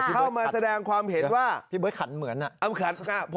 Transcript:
เข้ามาแสดงความเห็นว่าพี่เบิร์ขันเหมือนอ่ะ